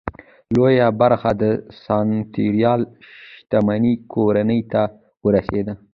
لویه برخه د سناتوریال شتمنۍ کورنۍ ته ورسېده.